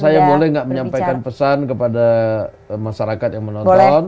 saya boleh nggak menyampaikan pesan kepada masyarakat yang menonton